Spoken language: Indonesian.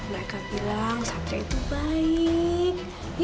mereka bilang sabda itu baik